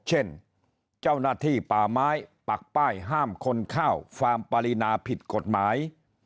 เช่นเจ้าหน้าที่ป่าไม้ปักป้ายห้ามคนเข้าฟาร์มปรินาผิดกฎหมาย